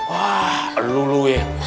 wah elu elu ya